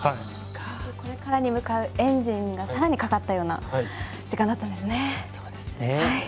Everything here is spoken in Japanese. これからに向かうエンジンがさらにかかったような時間だったんですね。